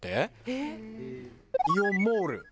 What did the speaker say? えっ？イオンモール。